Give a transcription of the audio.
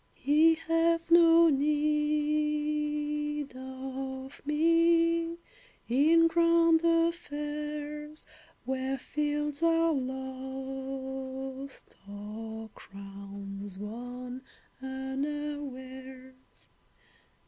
He hath no need of me In grand affairs, Where fields are lost, or crowns Won unawares.